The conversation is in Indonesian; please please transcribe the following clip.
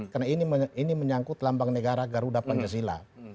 karena ini menyangkut lambang negara garuda pangasila